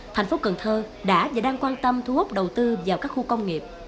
thành phố cần thơ đã và đang quan tâm thu hút đầu tư vào các khu công nghiệp